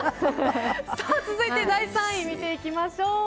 続いて第３位見ていきましょう。